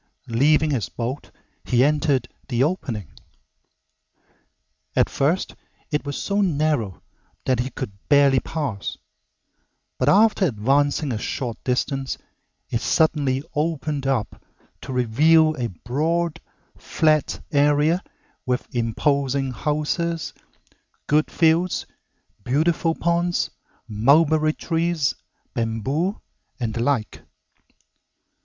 Leaving his boat, he entered the opening. At first it was so narrow that he could barely pass, but after advancing a short distance it suddenly opened up to reveal a broad, flat area with imposing houses, good fields, beautiful ponds, mulberry trees, bamboo, and the like.